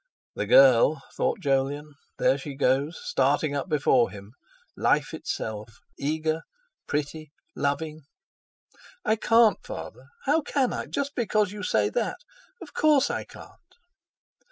'The girl'—thought Jolyon—'there she goes—starting up before him—life itself—eager, pretty, loving!' "I can't, Father; how can I—just because you say that? Of course, I can't!"